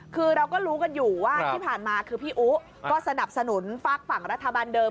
คือเราก็รู้กันอยู่ว่าที่ผ่านมาคือพี่อุ๊ก็สนับสนุนฝากฝั่งรัฐบาลเดิม